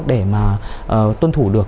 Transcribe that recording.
để mà tuân thủ được